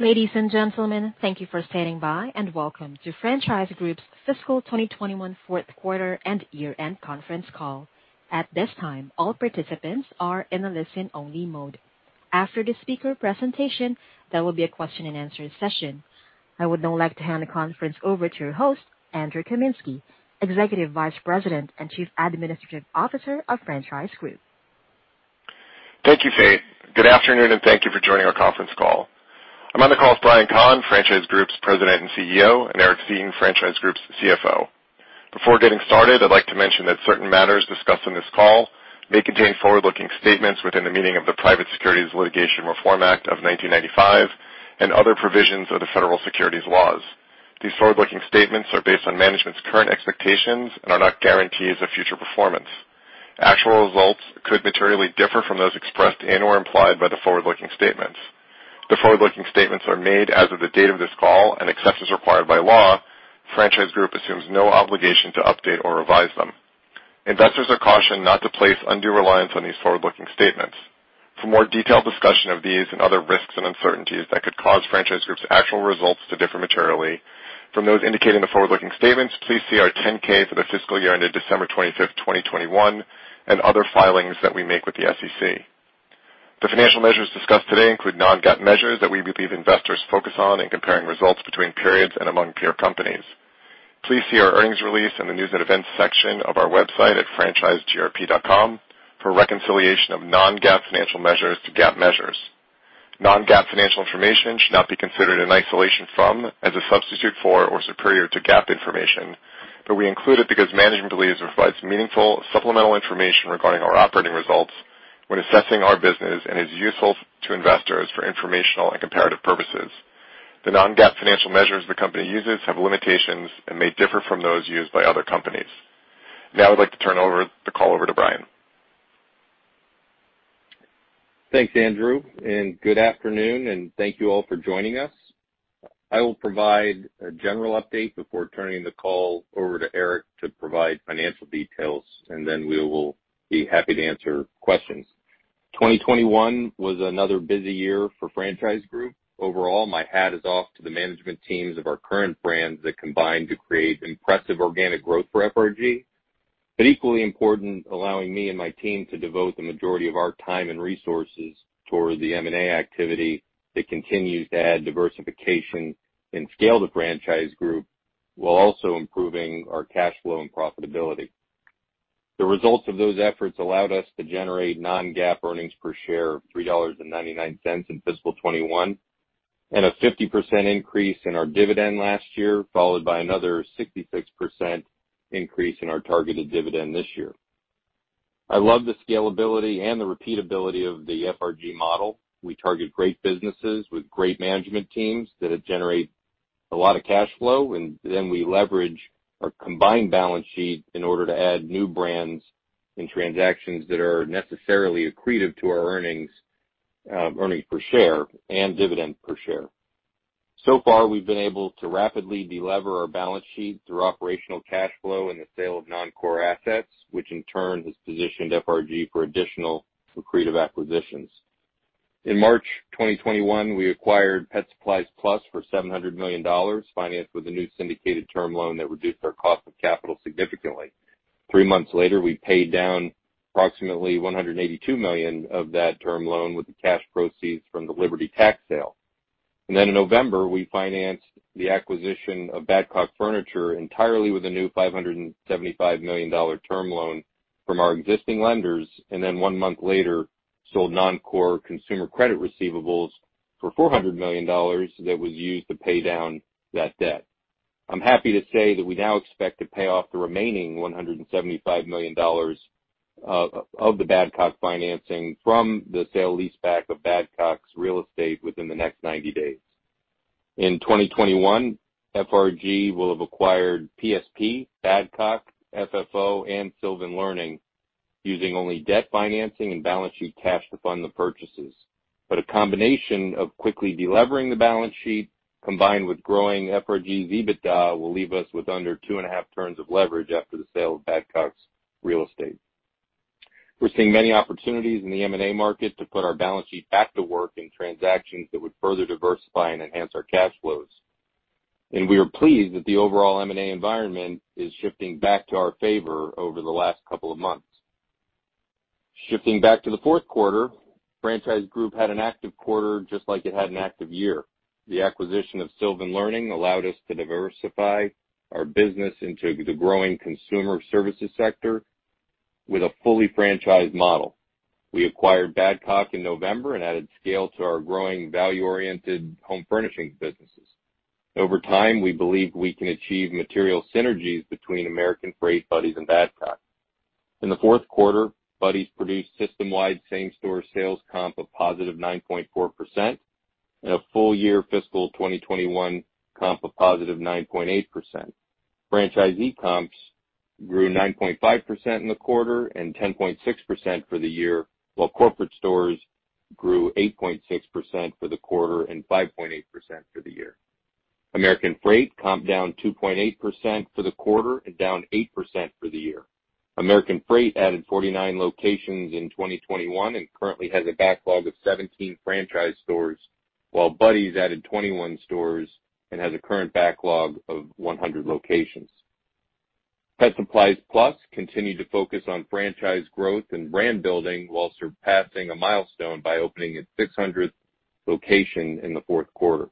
Ladies and gentlemen, thank you for standing by and welcome to Franchise Group's fiscal 2021 fourth quarter and year-end conference call. At this time, all participants are in a listen-only mode. After the speaker presentation, there will be a question-and-answer session. I would now like to hand the conference over to your host, Andrew Kaminsky, Executive Vice President and Chief Administrative Officer of Franchise Group. Thank you, Faye. Good afternoon, and thank you for joining our conference call. I'm on the call with Brian Kahn, Franchise Group's President and CEO, and Eric Seeton, Franchise Group's CFO. Before getting started, I'd like to mention that certain matters discussed on this call may contain forward-looking statements within the meaning of the Private Securities Litigation Reform Act of 1995 and other provisions of the federal securities laws. These forward-looking statements are based on management's current expectations and are not guarantees of future performance. Actual results could materially differ from those expressed and/or implied by the forward-looking statements. The forward-looking statements are made as of the date of this call, and except as required by law, Franchise Group assumes no obligation to update or revise them. Investors are cautioned not to place undue reliance on these forward-looking statements. For more detailed discussion of these and other risks and uncertainties that could cause Franchise Group's actual results to differ materially from those indicated in the forward-looking statements, please see our 10-K for the fiscal year ended December 25, 2021, and other filings that we make with the SEC. The financial measures discussed today include non-GAAP measures that we believe investors focus on in comparing results between periods and among peer companies. Please see our earnings release in the News & Events section of our website at franchisegrp.com for reconciliation of non-GAAP financial measures to GAAP measures. Non-GAAP financial information should not be considered in isolation from, as a substitute for, or superior to GAAP information, but we include it because management believes it provides meaningful supplemental information regarding our operating results when assessing our business and is useful to investors for informational and comparative purposes. The non-GAAP financial measures the company uses have limitations and may differ from those used by other companies. Now I'd like to turn over the call to Brian. Thanks, Andrew, and good afternoon, and thank you all for joining us. I will provide a general update before turning the call over to Eric to provide financial details, and then we will be happy to answer questions. 2021 was another busy year for Franchise Group. Overall, my hat is off to the management teams of our current brands that combined to create impressive organic growth for FRG. Equally important, allowing me and my team to devote the majority of our time and resources toward the M&A activity that continues to add diversification and scale to Franchise Group while also improving our cash flow and profitability. The results of those efforts allowed us to generate non-GAAP earnings per share of $3.99 in fiscal 2021, and a 50% increase in our dividend last year, followed by another 66% increase in our targeted dividend this year. I love the scalability and the repeatability of the FRG model. We target great businesses with great management teams that generate a lot of cash flow, and then we leverage our combined balance sheet in order to add new brands and transactions that are necessarily accretive to our earnings per share and dividend per share. We've been able to rapidly delever our balance sheet through operational cash flow and the sale of non-core assets, which in turn has positioned FRG for additional accretive acquisitions. In March 2021, we acquired Pet Supplies Plus for $700 million, financed with a new syndicated term loan that reduced our cost of capital significantly. Three months later, we paid down approximately $182 million of that term loan with the cash proceeds from the Liberty Tax sale. In November, we financed the acquisition of Badcock Furniture entirely with a new $575 million dollar term loan from our existing lenders. One month later, we sold non-core consumer credit receivables for $400 million dollars that was used to pay down that debt. I'm happy to say that we now expect to pay off the remaining $175 million dollars of the Badcock financing from the sale-leaseback of Badcock's real estate within the next 90 days. In 2021, FRG will have acquired PSP, Badcock, FFO, and Sylvan Learning using only debt financing and balance sheet cash to fund the purchases. A combination of quickly delevering the balance sheet combined with growing FRG's EBITDA will leave us with under 2.5 turns of leverage after the sale of Badcock's real estate. We're seeing many opportunities in the M&A market to put our balance sheet back to work in transactions that would further diversify and enhance our cash flows. We are pleased that the overall M&A environment is shifting back to our favor over the last couple of months. Shifting back to the fourth quarter, Franchise Group had an active quarter just like it had an active year. The acquisition of Sylvan Learning allowed us to diversify our business into the growing consumer services sector with a fully franchised model. We acquired Badcock in November and added scale to our growing value-oriented home furnishings businesses. Over time, we believe we can achieve material synergies between American Freight, Buddy's, and Badcock. In the fourth quarter, Buddy's produced system-wide same-store sales comp of +9.4% and a full year fiscal 2021 comp of +9.8%. Franchisee comps grew 9.5% in the quarter and 10.6% for the year, while corporate stores grew 8.6% for the quarter and 5.8% for the year. American Freight comped down 2.8% for the quarter and down 8% for the year. American Freight added 49 locations in 2021, and currently has a backlog of 17 franchise stores, while Buddy's added 21 stores and has a current backlog of 100 locations. Pet Supplies Plus continued to focus on franchise growth and brand building while surpassing a milestone by opening its 600th location in the fourth quarter.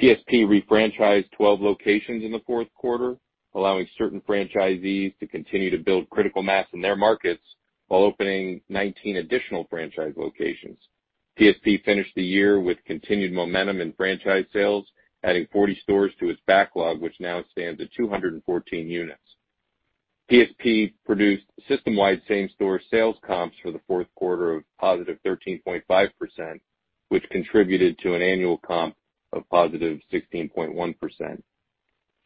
PSP refranchised 12 locations in the fourth quarter, allowing certain franchisees to continue to build critical mass in their markets while opening 19 additional franchise locations. PSP finished the year with continued momentum in franchise sales, adding 40 stores to its backlog, which now stands at 214 units. PSP produced system-wide same-store sales comps for the fourth quarter of +13.5%, which contributed to an annual comp of +16.1%.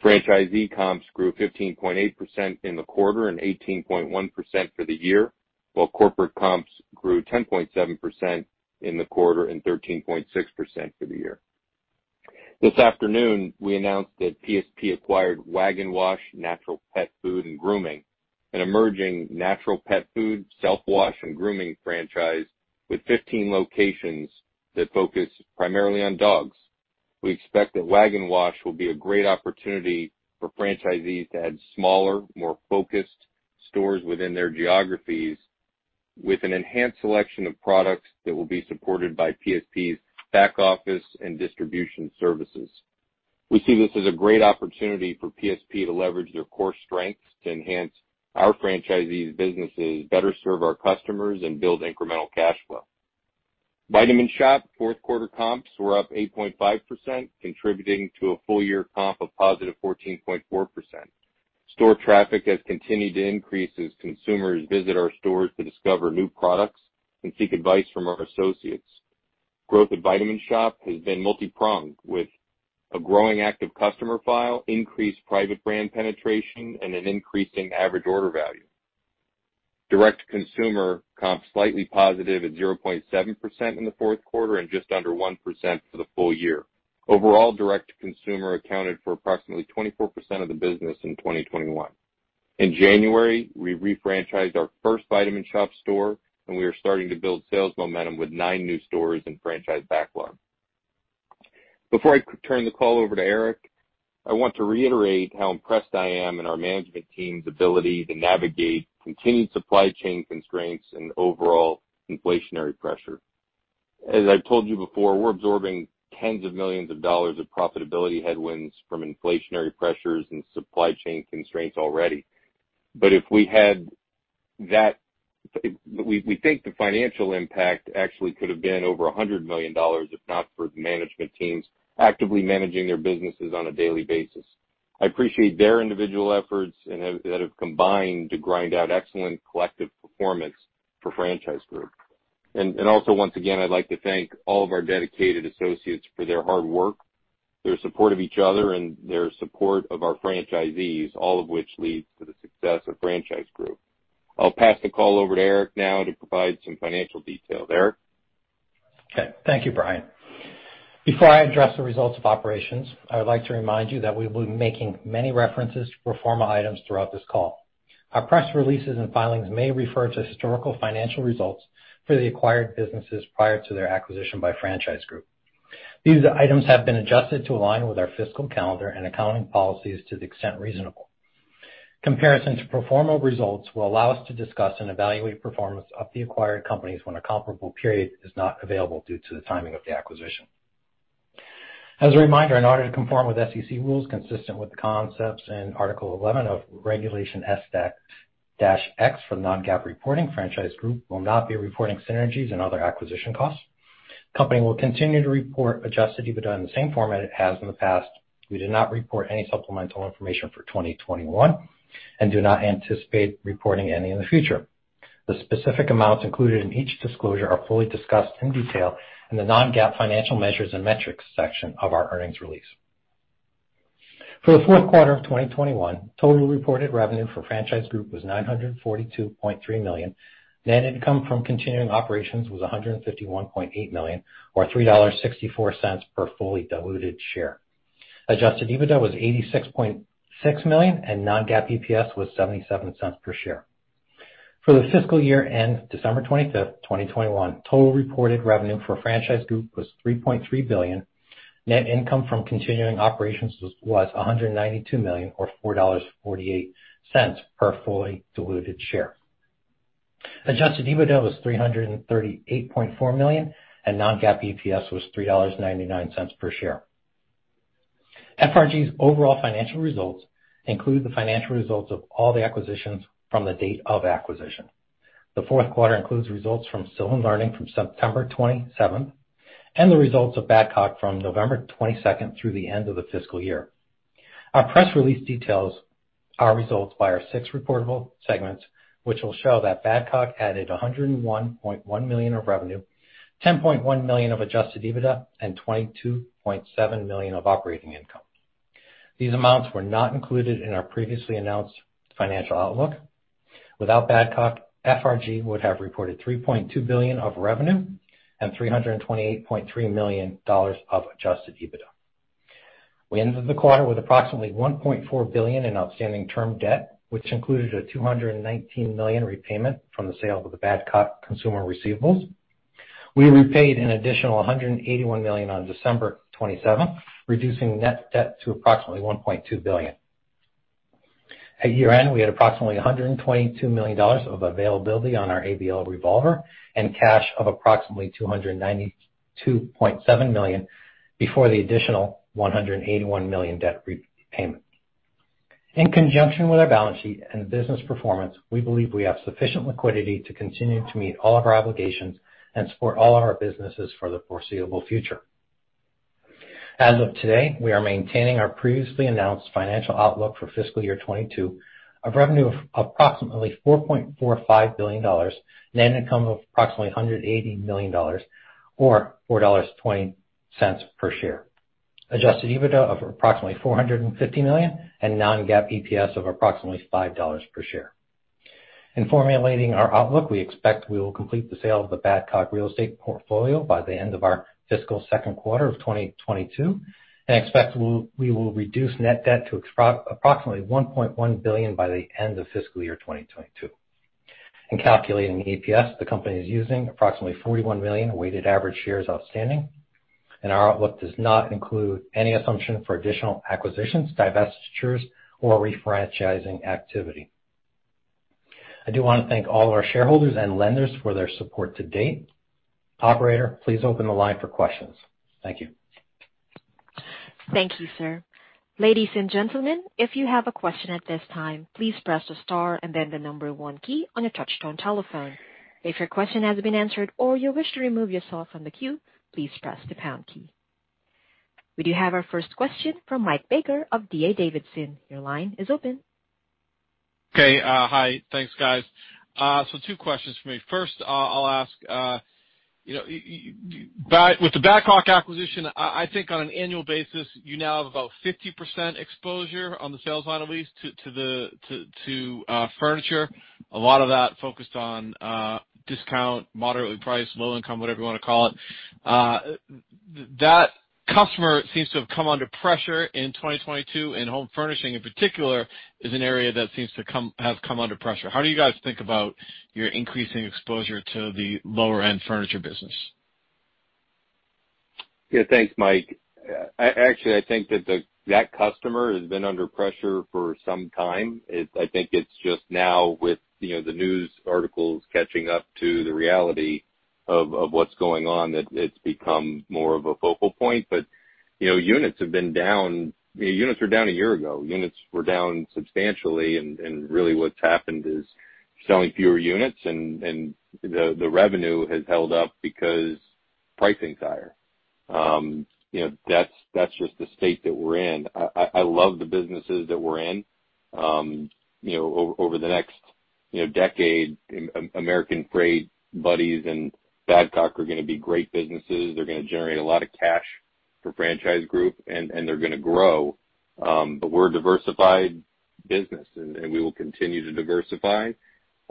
Franchisee comps grew 15.8% in the quarter and 18.1% for the year, while corporate comps grew 10.7% in the quarter and 13.6% for the year. This afternoon, we announced that PSP acquired Wag N' Wash Natural Pet Food and Grooming, an emerging natural pet food, self-wash, and grooming franchise with 15 locations that focus primarily on dogs. We expect that Wag N' Wash will be a great opportunity for franchisees to add smaller, more focused stores within their geographies with an enhanced selection of products that will be supported by PSP's back office and distribution services. We see this as a great opportunity for PSP to leverage their core strengths to enhance our franchisees' businesses, better serve our customers, and build incremental cash flow. The Vitamin Shoppe fourth quarter comps were up 8.5%, contributing to a full year comp of +14.4%. Store traffic has continued to increase as consumers visit our stores to discover new products and seek advice from our associates. Growth at Vitamin Shoppe has been multi-pronged, with a growing active customer file, increased private brand penetration, and an increasing average order value. Direct-to-consumer comped slightly positive at 0.7% in the fourth quarter and just under 1% for the full year. Overall, direct-to-consumer accounted for approximately 24% of the business in 2021. In January, we refranchised our first Vitamin Shoppe store, and we are starting to build sales momentum with nine new stores in franchise backlog. Before I turn the call over to Eric, I want to reiterate how impressed I am in our management team's ability to navigate continued supply chain constraints and overall inflationary pressure. As I've told you before, we're absorbing tens of millions of dollars of profitability headwinds from inflationary pressures and supply chain constraints already. If we had that... We think the financial impact actually could have been over $100 million, if not for the management teams actively managing their businesses on a daily basis. I appreciate their individual efforts that have combined to grind out excellent collective performance for Franchise Group. And also, once again, I'd like to thank all of our dedicated associates for their hard work, their support of each other, and their support of our franchisees, all of which leads to the success of Franchise Group. I'll pass the call over to Eric now to provide some financial detail. Eric? Okay. Thank you, Brian. Before I address the results of operations, I would like to remind you that we will be making many references to pro forma items throughout this call. Our press releases and filings may refer to historical financial results for the acquired businesses prior to their acquisition by Franchise Group. These items have been adjusted to align with our fiscal calendar and accounting policies to the extent reasonable. Comparison to pro forma results will allow us to discuss and evaluate performance of the acquired companies when a comparable period is not available due to the timing of the acquisition. As a reminder, in order to conform with SEC rules, consistent with the concepts in Article 11 of Regulation S-X for non-GAAP reporting, Franchise Group will not be reporting synergies and other acquisition costs. Company will continue to report adjusted EBITDA in the same format it has in the past. We did not report any supplemental information for 2021 and do not anticipate reporting any in the future. The specific amounts included in each disclosure are fully discussed in detail in the Non-GAAP Financial Measures and Metrics section of our earnings release. For the fourth quarter of 2021, total reported revenue for Franchise Group was $942.3 million. Net income from continuing operations was $151.8 million, or $3.64 per fully diluted share. Adjusted EBITDA was $86.6 million, and non-GAAP EPS was $0.77 per share. For the fiscal year end December 25, 2021, total reported revenue for Franchise Group was $3.3 billion. Net income from continuing operations was $192 million or $4.48 per fully diluted share. Adjusted EBITDA was $338.4 million, and non-GAAP EPS was $3.99 per share. FRG's overall financial results include the financial results of all the acquisitions from the date of acquisition. The fourth quarter includes results from Sylvan Learning from September 27th, and the results of Badcock from November 22nd through the end of the fiscal year. Our press release details our results by our six reportable segments, which will show that Badcock added $101.1 million of revenue, $10.1 million of adjusted EBITDA, and $22.7 million of operating income. These amounts were not included in our previously announced financial outlook. Without Badcock, FRG would have reported $3.2 billion of revenue and $328.3 million of adjusted EBITDA. We ended the quarter with approximately $1.4 billion in outstanding term debt, which included a $219 million repayment from the sale of the Badcock consumer receivables. We repaid an additional $181 million on December 27, reducing net debt to approximately $1.2 billion. At year-end, we had approximately $122 million of availability on our ABL revolver and cash of approximately $292.7 million before the additional $181 million debt repayment. In conjunction with our balance sheet and business performance, we believe we have sufficient liquidity to continue to meet all of our obligations and support all of our businesses for the foreseeable future. As of today, we are maintaining our previously announced financial outlook for fiscal year 2022 of revenue of approximately $4.45 billion, net income of approximately $180 million or $4.20 per share. Adjusted EBITDA of approximately $450 million and non-GAAP EPS of approximately $5 per share. In formulating our outlook, we expect we will complete the sale of the Badcock Real Estate portfolio by the end of our fiscal second quarter of 2022, and expect we will reduce net debt to approximately $1.1 billion by the end of fiscal year 2022. In calculating EPS, the company is using approximately 41 million weighted average shares outstanding, and our outlook does not include any assumption for additional acquisitions, divestitures or refranchising activity. I do wanna thank all our shareholders and lenders for their support to date. Operator, please open the line for questions. Thank you. Thank you, sir. Ladies and gentlemen, if you have a question at this time, please press the star and then the number one key on your touchtone telephone. If your question has been answered or you wish to remove yourself from the queue, please press the pound key. We do have our first question from Mike Baker of D.A. Davidson. Your line is open. Okay. Hi. Thanks, guys. Two questions for me. First, I'll ask with the Badcock acquisition, I think on an annual basis, you now have about 50% exposure on the sales line, at least to the furniture. A lot of that focused on discount, moderately priced, low income, whatever you wanna call it. That customer seems to have come under pressure in 2022, and home furnishing in particular is an area that seems to have come under pressure. How do you guys think about your increasing exposure to the lower-end furniture business? Yeah, thanks, Mike. Actually, I think that the customer has been under pressure for some time. I think it's just now with, you know, the news articles catching up to the reality of what's going on that it's become more of a focal point. You know, units have been down. Units were down a year ago. Units were down substantially and really what's happened is selling fewer units and the revenue has held up because pricing's higher. You know, that's just the state that we're in. I love the businesses that we're in. You know, over the next, you know, decade, American Freight, Buddy's and Badcock are gonna be great businesses. They're gonna generate a lot of cash for Franchise Group, and they're gonna grow. We're a diversified business and we will continue to diversify.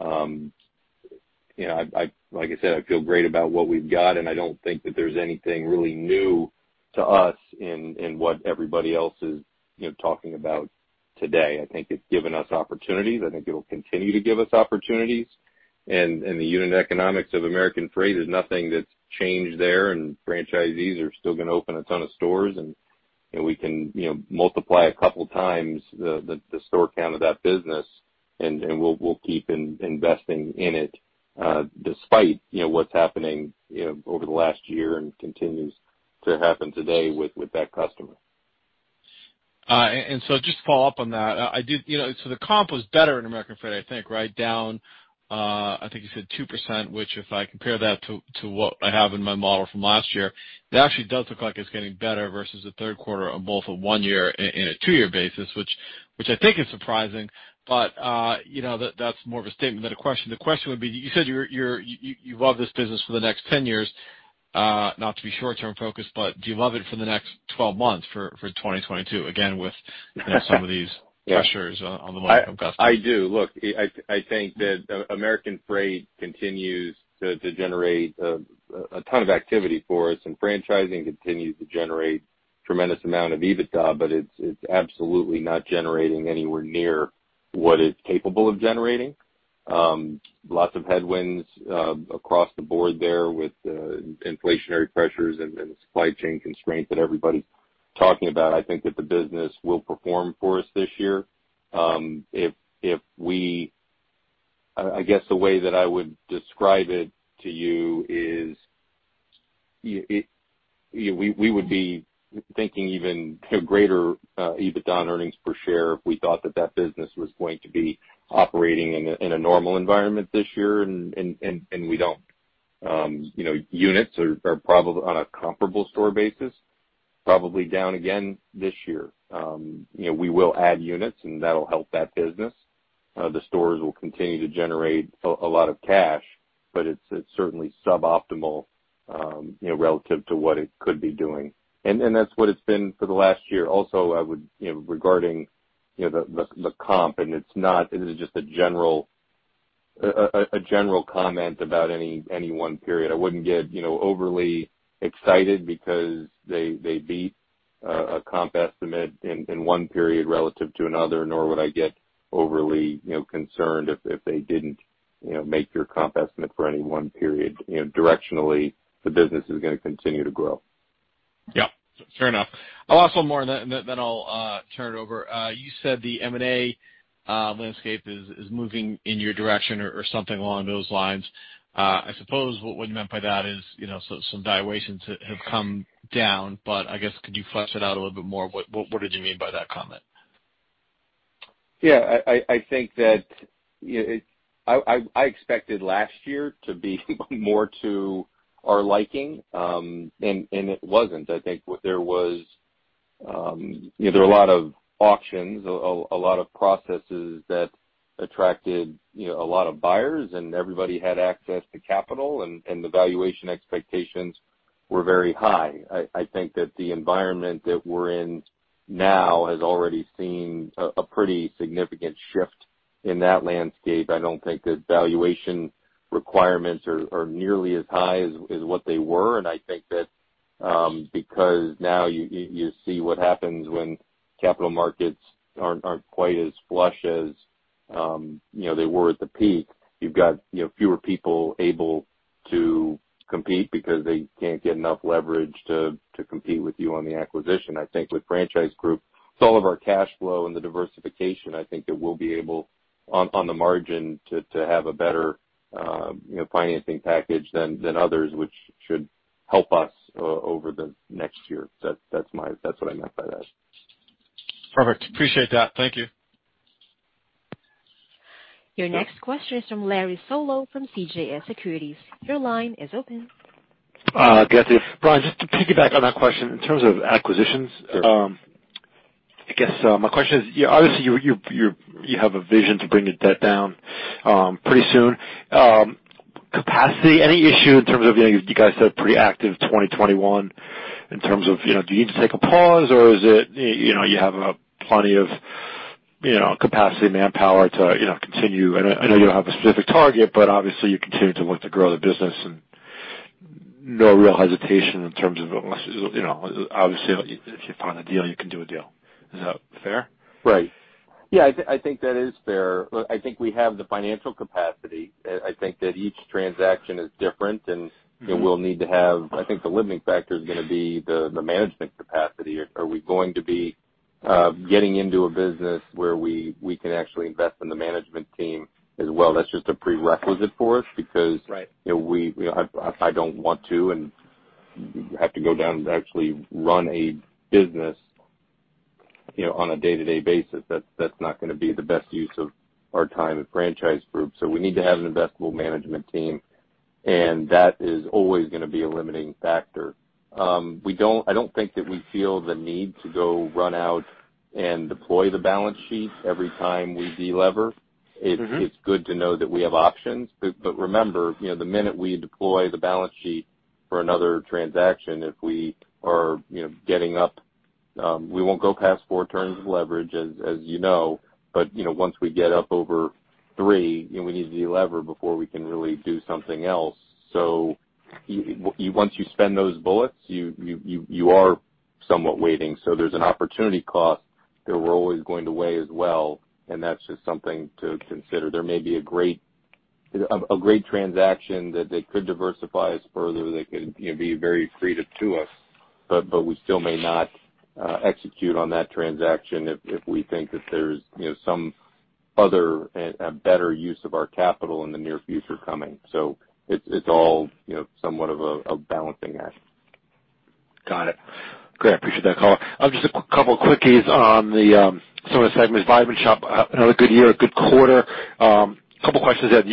You know, like I said, I feel great about what we've got, and I don't think that there's anything really new to us in what everybody else is, you know, talking about today. I think it's given us opportunities. I think it'll continue to give us opportunities. The unit economics of American Freight is nothing that's changed there, and franchisees are still gonna open a ton of stores and we can, you know, multiply a couple times the store count of that business and we'll keep investing in it, despite, you know, what's happening, you know, over the last year and continues to happen today with that customer. Just to follow up on that, you know, so the comp was better in American Freight, I think, right? Down, I think you said 2%, which if I compare that to what I have in my model from last year, that actually does look like it's getting better versus the third quarter on both a one-year and a two-year basis, which I think is surprising. You know, that's more of a statement than a question. The question would be, you said you love this business for the next 10 years, not to be short term focused, but do you love it for the next 12 months, for 2022, again, with, you know, some of these pressures on the lower-end customers? I do. Look, I think that American Freight continues to generate a ton of activity for us, and franchising continues to generate tremendous amount of EBITDA, but it's absolutely not generating anywhere near what it's capable of generating. Lots of headwinds across the board there with inflationary pressures and supply chain constraints that everybody's talking about. I think that the business will perform for us this year. I guess the way that I would describe it to you is it, you know, we would be thinking even, you know, greater EBITDA and earnings per share if we thought that business was going to be operating in a normal environment this year and we don't. You know, units are probably on a comparable store basis, probably down again this year. You know, we will add units and that'll help that business. The stores will continue to generate a lot of cash, but it's certainly suboptimal, you know, relative to what it could be doing. That's what it's been for the last year. Also, I would, you know, regarding the comp, and it's not. It is just a general comment about any one period. I wouldn't get, you know, overly excited because they beat a comp estimate in one period relative to another, nor would I get overly, you know, concerned if they didn't, you know, make your comp estimate for any one period. You know, directionally, the business is gonna continue to grow. Yeah. Fair enough. I'll ask one more and then I'll turn it over. You said the M&A landscape is moving in your direction or something along those lines. I suppose what would be meant by that is, you know, so some valuations have come down, but I guess could you flesh it out a little bit more? What did you mean by that comment? Yeah. I think I expected last year to be more to our liking, and it wasn't. I think what there was, you know, there were a lot of auctions, a lot of processes that attracted, you know, a lot of buyers, and everybody had access to capital and the valuation expectations were very high. I think that the environment that we're in now has already seen a pretty significant shift in that landscape. I don't think that valuation requirements are nearly as high as what they were. I think that, because now you see what happens when capital markets aren't quite as flush as, you know, they were at the peak. You've got, you know, fewer people able to compete because they can't get enough leverage to compete with you on the acquisition. I think with Franchise Group, with all of our cash flow and the diversification, I think that we'll be able, on the margin, to have a better, you know, financing package than others, which should help us over the next year. That's what I meant by that. Perfect. Appreciate that. Thank you. Your next question is from Larry Solow from CJS Securities. Your line is open. Good afternoon. Brian, just to piggyback on that question, in terms of acquisitions. Sure. I guess my question is, obviously, you have a vision to bring the debt down pretty soon. Capacity, any issue in terms of, you know, you guys said pretty active 2021 in terms of, you know, do you need to take a pause or is it, you know, you have plenty of, you know, capacity, manpower to, you know, continue. I know you don't have a specific target, but obviously you continue to look to grow the business and no real hesitation in terms of, you know, obviously, if you find a deal, you can do a deal. Is that fair? Right. Yeah, I think that is fair. Look, I think we have the financial capacity. I think that each transaction is different and- Mm-hmm. You know, we'll need to have. I think the limiting factor is gonna be the management capacity. Are we going to be getting into a business where we can actually invest in the management team as well? That's just a prerequisite for us because Right. You know, we don't want to and have to go down and actually run a business, you know, on a day-to-day basis. That's not gonna be the best use of our time at Franchise Group. We need to have an investable management team, and that is always gonna be a limiting factor. I don't think that we feel the need to go run out and deploy the balance sheet every time we de-lever. Mm-hmm. It's good to know that we have options. Remember, you know, the minute we deploy the balance sheet for another transaction, if we are, you know, getting up, we won't go past four turns of leverage, as you know. You know, once we get up over three, you know, we need to de-lever before we can really do something else. Once you spend those bullets, you are somewhat waiting. There's an opportunity cost that we're always going to weigh as well, and that's just something to consider. There may be a great transaction that could diversify us further, that could, you know, be very accretive to us, but we still may not execute on that transaction if we think that there's, you know, some other better use of our capital in the near future coming. It's all, you know, somewhat of a balancing act. Got it. Great. Appreciate that call. Just a couple quickies on some of the segments. Vitamin Shoppe, another good year, a good quarter. Couple questions there.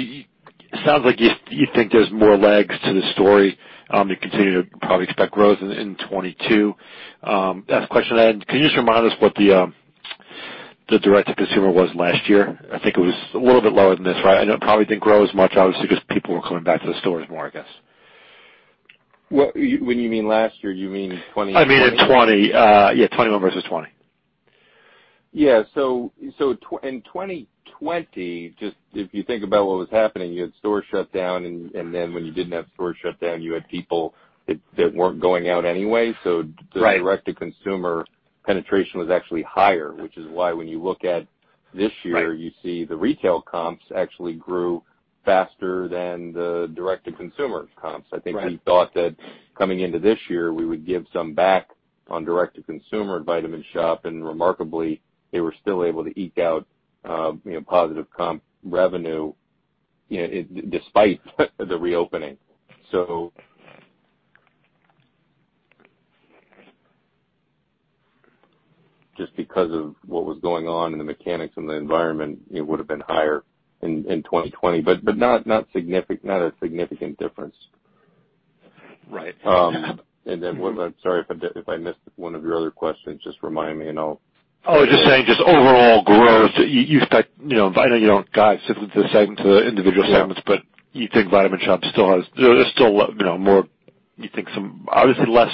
Sounds like you think there's more legs to the story, you continue to probably expect growth in 2022. I have a question then. Can you just remind us what the direct-to-consumer was last year? I think it was a little bit lower than this, right? I know it probably didn't grow as much, obviously, because people were coming back to the stores more, I guess. What, when you mean last year, you mean 2020? I mean in 2020. Yeah, 2021 versus 2020. In 2020, just if you think about what was happening, you had stores shut down, and then when you didn't have stores shut down, you had people that weren't going out anyway. Right. The direct-to-consumer penetration was actually higher, which is why when you look at this year. Right. You see the retail comps actually grew faster than the direct-to-consumer comps. Right. I think we thought that coming into this year, we would give some back on direct-to-consumer at Vitamin Shoppe, and remarkably, they were still able to eke out, you know, positive comp revenue, you know, despite the reopening. Just because of what was going on in the mechanics and the environment, it would've been higher in 2020, but not significant, not a significant difference. Right. I'm sorry if I missed one of your other questions, just remind me and I'll- I was just saying just overall growth, you expect, you know, I know you don't guide segment to individual segments. Yeah. You think Vitamin Shoppe still has. There's still, you know, more. You think some obviously less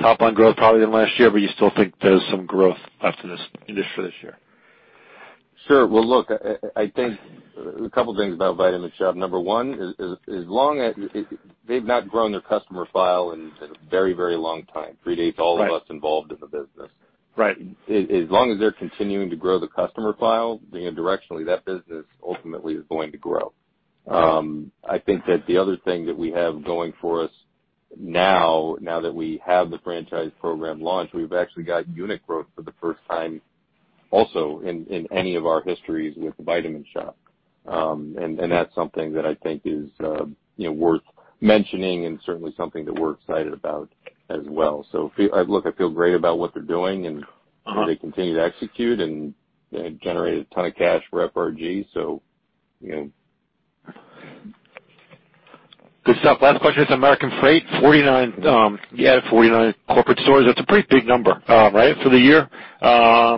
top-line growth probably than last year, but you still think there's some growth left in this for this year. Sure. Well, look, I think a couple of things about Vitamin Shoppe. Number one is as long as they've not grown their customer file in a very, very long time. Predates all of us involved in the business. Right. As long as they're continuing to grow the customer file, you know, directionally, that business ultimately is going to grow. I think that the other thing that we have going for us now that we have the franchise program launched, we've actually got unit growth for the first time also in any of our histories with The Vitamin Shoppe. That's something that I think is, you know, worth mentioning and certainly something that we're excited about as well. Look, I feel great about what they're doing, and they continue to execute and generate a ton of cash for FRG. You know. Good stuff. Last question is American Freight. 49, you added 49 corporate stores. That's a pretty big number, right, for the year. I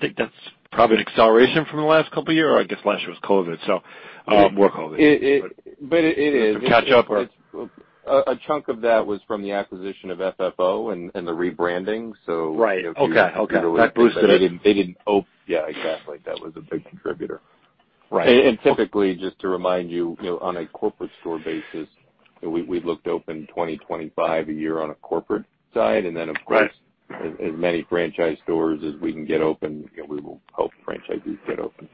think that's probably an acceleration from the last couple of year, or I guess last year was COVID, so, more COVID. It, it, but it is. Catch up or? A chunk of that was from the acquisition of FFO and the rebranding. Right. Okay. Okay. They didn't. That boosted it. Yeah, exactly. That was a big contributor. Right. Typically, just to remind you know, on a corporate store basis, we looked to open 20-25 a year on a corporate side. Right. Of course, as many franchise stores as we can get open, you know, we will help franchisee get open.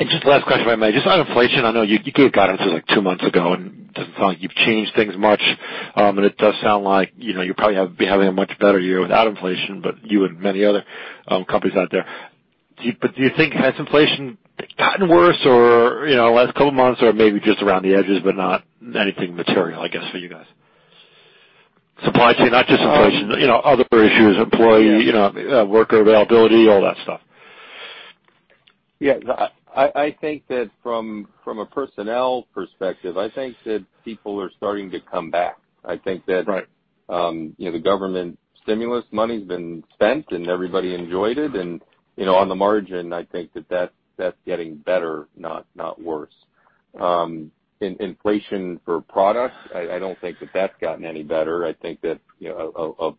Just last question, if I may. Just on inflation, I know you gave guidance like two months ago, and it doesn't sound like you've changed things much. It does sound like, you know, you'll probably be having a much better year without inflation, but you and many other companies out there. Do you think has inflation gotten worse or, you know, the last couple of months or maybe just around the edges, but not anything material, I guess, for you guys? Supply chain, not just inflation, you know, other issues, employee, you know, worker availability, all that stuff. Yeah. I think that from a personnel perspective, I think that- Right. You know, the government stimulus money has been spent and everybody enjoyed it. You know, on the margin, I think that's getting better, not worse. On inflation for products, I don't think that's gotten any better. I think that, you know,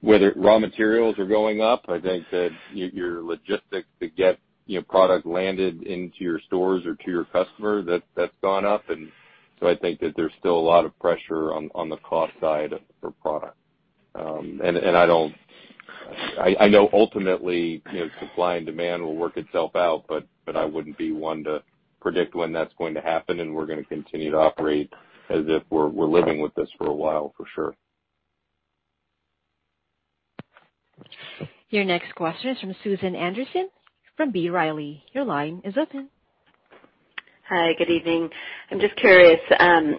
whether raw materials are going up, I think that your logistics to get, you know, product landed into your stores or to your customer, that's gone up. I think that there's still a lot of pressure on the cost side for product. I know ultimately, you know, supply and demand will work itself out, but I wouldn't be one to predict when that's going to happen and we're gonna continue to operate as if we're living with this for a while, for sure. Your next question is from Susan Anderson from B. Riley. Your line is open. Hi, good evening. I'm just curious,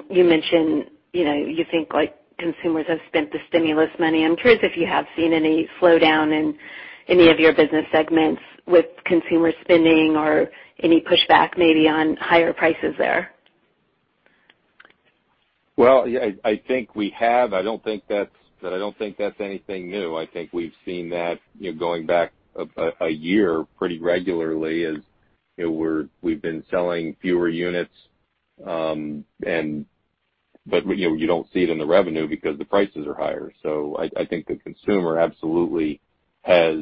you mentioned, you know, you think like consumers have spent the stimulus money. I'm curious if you have seen any slowdown in any of your business segments with consumer spending or any pushback maybe on higher prices there. Well, yeah, I think we have. I don't think that's anything new. I think we've seen that, you know, going back a year pretty regularly as, you know, we've been selling fewer units. You know, you don't see it in the revenue because the prices are higher. I think the consumer absolutely has,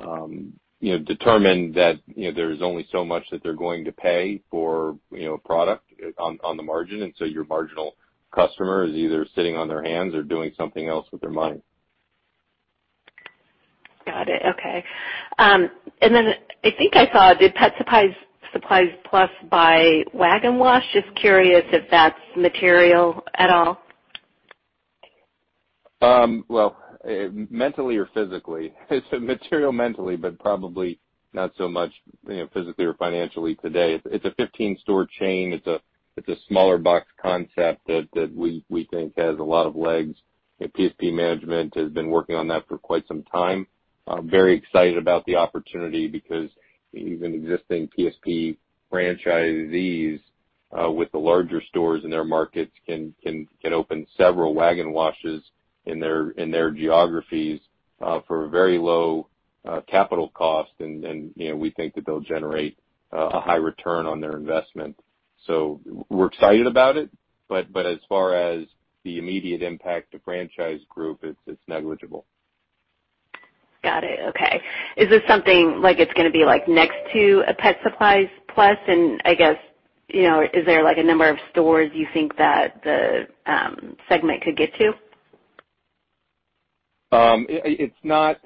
you know, determined that, you know, there's only so much that they're going to pay for, you know, a product on the margin. Your marginal customer is either sitting on their hands or doing something else with their money. Got it. Okay. I think I saw. Did Pet Supplies Plus buy Wag N' Wash? Just curious if that's material at all. Well, mentally or physically? It's material mentally, but probably not so much, you know, physically or financially today. It's a 15-store chain. It's a smaller box concept that we think has a lot of legs. PSP management has been working on that for quite some time. I'm very excited about the opportunity because even existing PSP franchisees with the larger stores in their markets can open several Wag N' Washes in their geographies for a very low capital cost. You know, we think that they'll generate a high return on their investment. We're excited about it. As far as the immediate impact to Franchise Group, it's negligible. Got it. Okay. Is this something like it's gonna be like next to a Pet Supplies Plus? I guess, you know, is there like a number of stores you think that the segment could get to? It's not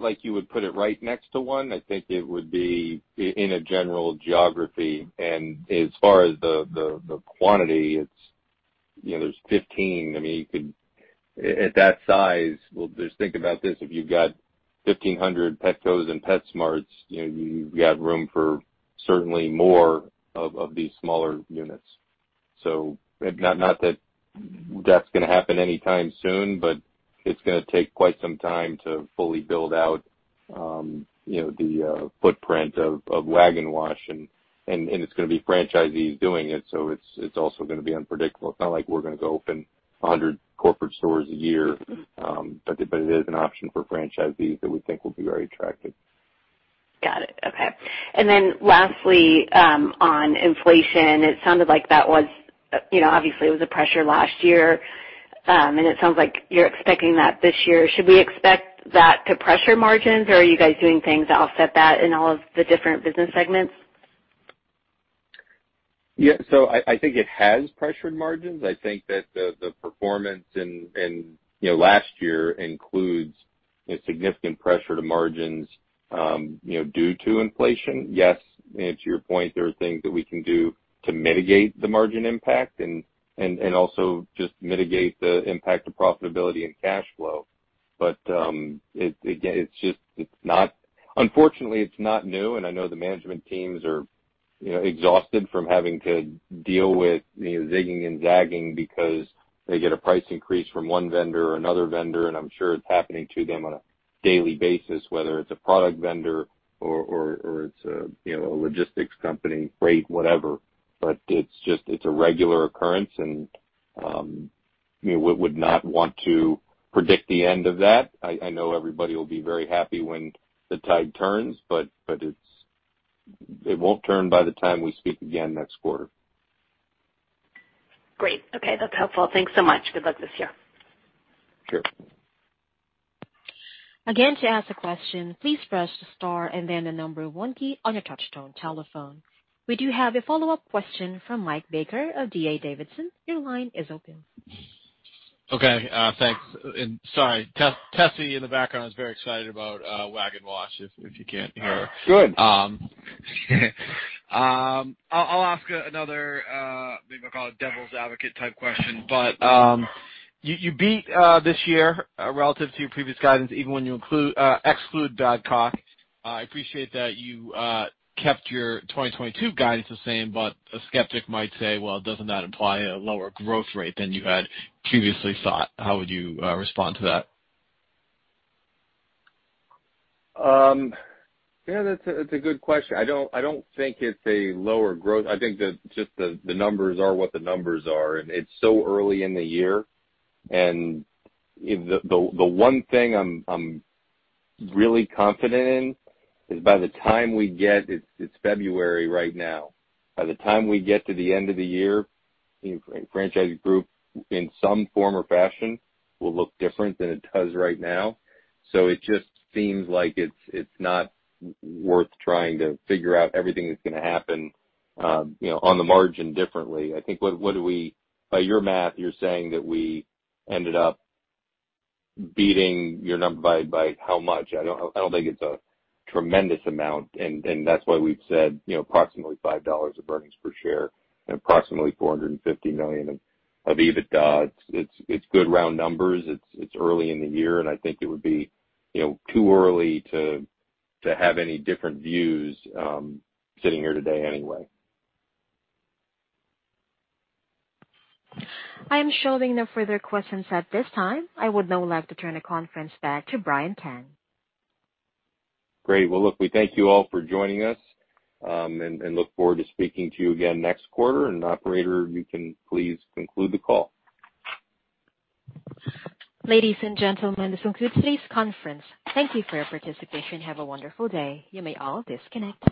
like you would put it right next to one. I think it would be in a general geography. As far as the quantity, it's, you know, there's 15. I mean, you could. At that size, well, just think about this. If you've got 1,500 Petcos and PetSmarts, you know, you've got room for certainly more of these smaller units. So not that that's gonna happen anytime soon, but it's gonna take quite some time to fully build out the footprint of Wag N' Wash and it's gonna be franchisees doing it, so it's also gonna be unpredictable. It's not like we're gonna go open 100 corporate stores a year. But it is an option for franchisees that we think will be very attractive. Got it. Okay. Lastly, on inflation, it sounded like that was, you know, obviously it was a pressure last year. It sounds like you're expecting that this year. Should we expect that to pressure margins, or are you guys doing things to offset that in all of the different business segments? Yeah. I think it has pressured margins. I think that the performance in you know last year includes a significant pressure to margins you know due to inflation. Yes to your point, there are things that we can do to mitigate the margin impact and also just mitigate the impact to profitability and cash flow. Again, it's just not new, unfortunately, and I know the management teams are you know exhausted from having to deal with you know zigging and zagging because they get a price increase from one vendor or another vendor, and I'm sure it's happening to them on a daily basis, whether it's a product vendor or it's a you know a logistics company, freight, whatever. It's just, it's a regular occurrence and, you know, we would not want to predict the end of that. I know everybody will be very happy when the tide turns, but it won't turn by the time we speak again next quarter. Great. Okay. That's helpful. Thanks so much. Good luck this year. Sure. We do have a follow-up question from Mike Baker of D.A. Davidson. Your line is open. Okay, thanks. Sorry, Tessy in the background is very excited about Wag N' Wash, if you can't hear. Good. I'll ask another, maybe I'll call it devil's advocate type question. You beat this year relative to your previous guidance, even when you exclude Badcock. I appreciate that you kept your 2022 guidance the same, but a skeptic might say, "Well, doesn't that imply a lower growth rate than you had previously thought?" How would you respond to that? Yeah, that's a good question. I don't think it's a lower growth. I think just the numbers are what the numbers are, and it's so early in the year. The one thing I'm really confident in is by the time we get to the end of the year, Franchise Group in some form or fashion will look different than it does right now. It's February right now. It just seems like it's not worth trying to figure out everything that's gonna happen, you know, on the margin differently. I think by your math, you're saying that we ended up beating your number by how much? I don't think it's a tremendous amount and that's why we've said, you know, approximately $5 of earnings per share and approximately $450 million of EBITDA. It's good round numbers. It's early in the year, and I think it would be, you know, too early to have any different views, sitting here today anyway. I am showing no further questions at this time. I would now like to turn the conference back to Brian Kahn. Great. Well, look, we thank you all for joining us, and look forward to speaking to you again next quarter. Operator, you can please conclude the call. Ladies and gentlemen, this concludes today's conference. Thank you for your participation. Have a wonderful day. You may all disconnect.